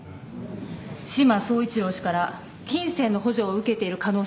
志摩総一郎氏から金銭の補助を受けている可能性が。